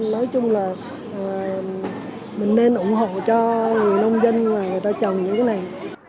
nói chung là mình nên ủng hộ cho người nông dân và người ta trồng những cái này